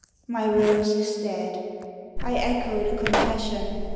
My rose is dead — I echo the confession.